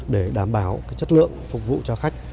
để đảm bảo chất lượng phục vụ cho khách